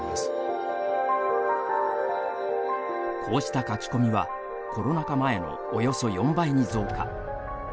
こうした書き込みはコロナ禍前のおよそ４倍に増加。